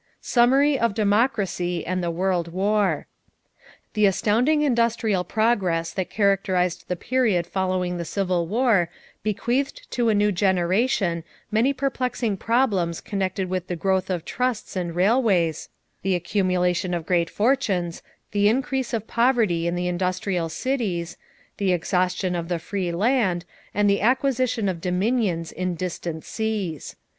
SUMMARY OF DEMOCRACY AND THE WORLD WAR The astounding industrial progress that characterized the period following the Civil War bequeathed to the new generation many perplexing problems connected with the growth of trusts and railways, the accumulation of great fortunes, the increase of poverty in the industrial cities, the exhaustion of the free land, and the acquisition of dominions in distant seas.